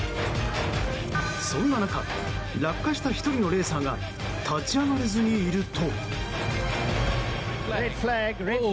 そんな中落下した１人のレーサーが立ち上がれずにいると。